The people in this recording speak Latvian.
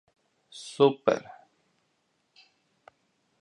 Super!